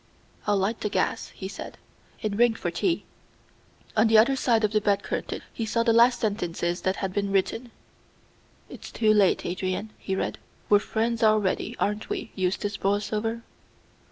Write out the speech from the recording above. "I'll light the gas," he said, "and ring for tea." On the other side of the bed curtain he saw the last sentences that had been written. "It's too late, Adrian," he read. "We're friends already; aren't we, Eustace Borlsover?"